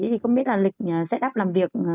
thì không biết là lịch sẽ đắp làm việc